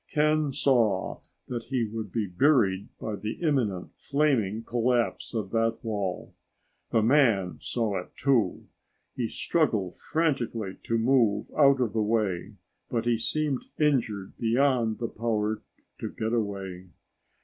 Ken saw that he would be buried by the imminent, flaming collapse of that wall. The man saw it, too. He struggled frantically to move out of the way, but he seemed injured beyond the power to get away.